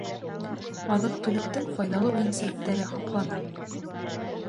Аҙыҡ-түлектең файҙалы үҙенсәлектәре һаҡлана.